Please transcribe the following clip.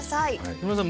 木村さん